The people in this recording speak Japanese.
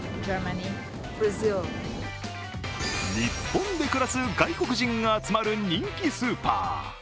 日本で暮らす外国人が集まる人気スーパー。